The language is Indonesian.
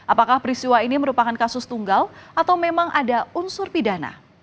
apakah peristiwa ini merupakan kasus tunggal atau memang ada unsur pidana